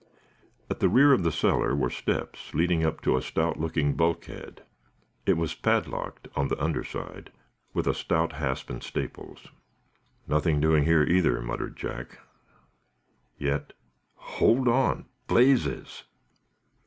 At the rear of the cellar were steps, leading up to a stout looking bulkhead. It was padlocked, on the under side, with stout hasp and staples. "Nothing doing here, either," muttered Jack. "Yet hold on blazes!"